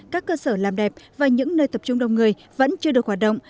các cơ sở làm đẹp và những nơi tập trung đông người vẫn chưa được hoạt động